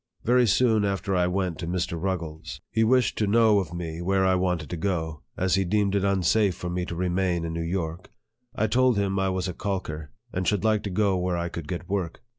Very soon after I went to Mr. Ruggles, he wished 110 NARRATIVE OF THE to know of me where I wanted to go ; as he deemed it unsafe for me to remain in New York. I told him I was a calker, and should like to go where I could get work.